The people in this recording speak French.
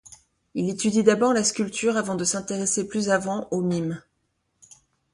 Il étudie d'abord la sculpture avant de s'intéresser plus avant au mime.